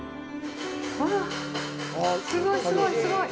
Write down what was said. うわぁ、すごいすごいすごい！